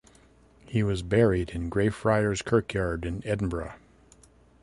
He was buried in Greyfriars Kirkyard in Edinburgh.